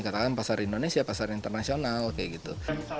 katakan pasar indonesia pasar internasional kayak gitu